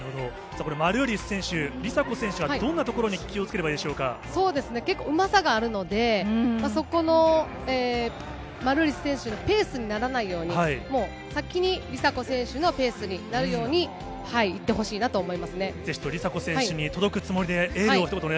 これ、マルーリス選手、梨紗子選手はどんなところに気をつければ結構、うまさがあるので、そこのマルーリス選手のペースにならないように、もう先に梨紗子選手のペースになるように、いってほしいなと思い